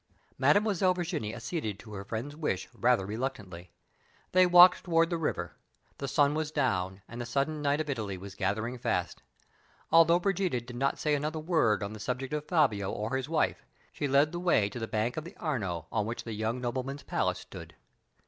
Mademoiselle Virginie acceded to her friend's wish rather reluctantly. They walked toward the river. The sun was down, and the sudden night of Italy was gathering fast. Although Brigida did not say another word on the subject of Fabio or his wife, she led the way to the bank of the Arno, on which the young nobleman's palace stood.